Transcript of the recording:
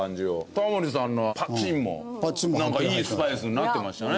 タモリさんのパチンもなんかいいスパイスになってましたね。